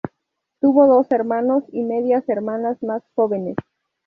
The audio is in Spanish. Tuvo dos hermanos y medias hermanas más jóvenes.